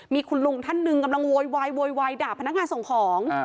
มีคุณลุงท่านหนึ่งกำลังโวยวายโวยวายด่าพนักงานส่งของ